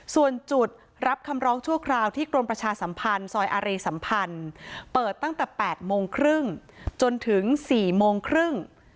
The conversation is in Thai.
ส่วนจุดรับคำร้องชั่วคราวที่กรมประชาสัมพันธ์ซอยอารีสัมพันธ์เปิดตั้งแต่๘โมงครึ่งจนถึง๔โมงครึ่ง